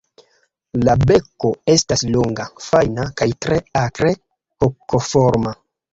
La beko estas longa, fajna, kaj tre akre hokoforma.